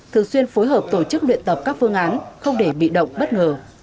thường xuyên phối hợp tổ chức luyện tập các phương án không để bị động bất ngờ